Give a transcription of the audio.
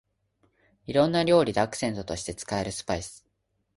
いろんな料理でアクセントとして使えるスパイス